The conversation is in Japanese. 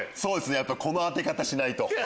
やっぱこの当て方しないと。